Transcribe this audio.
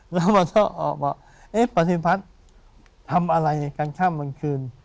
แล้วมันก็ออกบอกเอ๊ะปฏิพัทธ์ทำอะไรกันข้างบนคืน